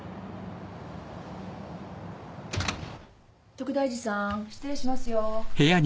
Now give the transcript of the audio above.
徳大寺さん失礼しますよ。